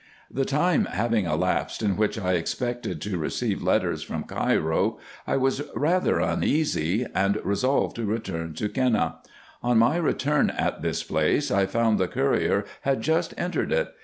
The time having elapsed, in which 1 expected to receive letters IN EGYPT, NUBIA, &c. 125 from Cairo, I was rather uneasy, and resolved to return to Kenneh. On my arrival at this place, 1 found the courier had just entered it.